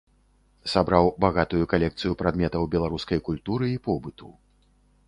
Сабраў багатую калекцыю прадметаў беларускай культуры і побыту.